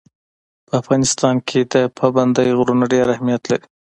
په افغانستان کې پابندی غرونه ډېر اهمیت لري.